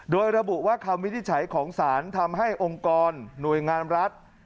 โดยระบุว่าคำวินิจฉัยของศาลทำให้องค์กรหน่วยงานรัฐ